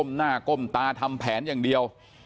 หน้าก้มตาทำแผนอย่างเดียว